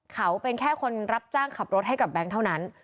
เขาเป็นแค่คนรับจ้างขับรถให้กับแบงค์เท่านั้น